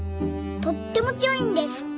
とってもつよいんです。